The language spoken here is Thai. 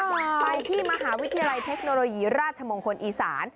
ไปที่มหาวิทยาลัยเทคโนโลยีราชมงคลอีสาน